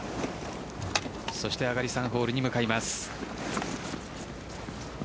そして上がり３ホールに向かいます。